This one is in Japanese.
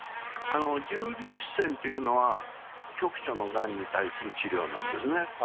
重粒子線というのは、局所のがんに対する治療なんですね。